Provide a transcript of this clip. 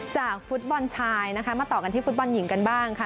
จากฟุตบอลชายนะคะมาต่อกันที่ฟุตบอลหญิงกันบ้างค่ะ